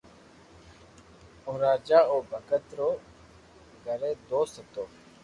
او راجا او ڀگت رو گھرو دوست ھتو